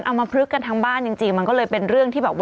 เอามาพลึกกันทั้งบ้านจริงมันก็เลยเป็นเรื่องที่แบบว่า